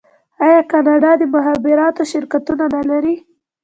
آیا کاناډا د مخابراتو شرکتونه نلري؟